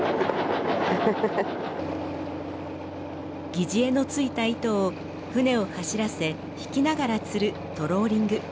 疑似餌の付いた糸を船を走らせ引きながら釣るトローリング。